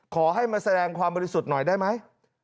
ขอให้มาแสดงความบริสุทธิ์หน่อยได้ไหม